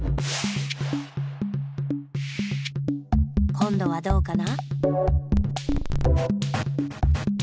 こんどはどうかな？